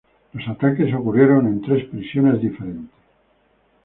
Los ataques ocurrieron en tres prisiones diferentes.